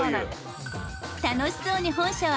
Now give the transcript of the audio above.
楽しそうに本社を